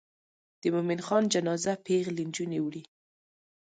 د مومن خان جنازه پیغلې نجونې وړي.